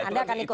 anda akan ikut